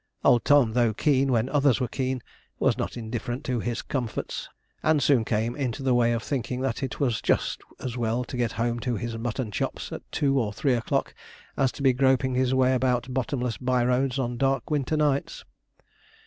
Old Tom, though keen when others were keen, was not indifferent to his comforts, and soon came into the way of thinking that it was just as well to get home to his mutton chops at two or three o'clock, as to be groping his way about bottomless bye roads on dark winter nights.